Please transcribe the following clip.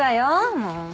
もう。